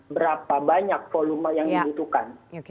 berapa banyak volume yang dibutuhkan